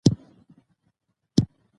بختور يې چې د کار ملګري لرې